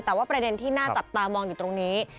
แต่ว่าประเด็นที่น่าจับตามองอยู่ตรงนี้